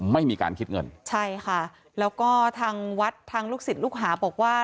ไม่มีการคิดเงินใช่ค่ะแล้วก็ทางวัดทางลูกศิษย์ลูกหาบอกว่า